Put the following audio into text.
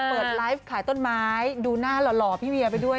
เปิดไลฟ์ขายต้นไม้ดูหน้าหล่อพี่เวียไปด้วย